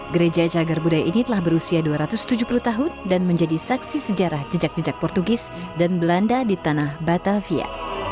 gereja cagar budaya ini telah berusia dua ratus tujuh puluh tahun dan menjadi saksi sejarah jejak jejak portugis dan belanda di tanah batavia